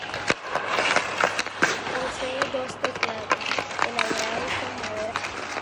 Posee dos teclados, elaborados con madera de boj.